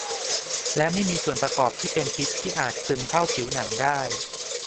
และไม่มีส่วนประกอบที่เป็นพิษที่อาจซึมเข้าผิวหนังได้